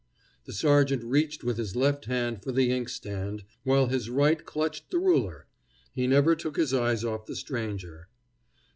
The sergeant reached with his left hand for the inkstand, while his right clutched the ruler. He never took his eyes off the stranger.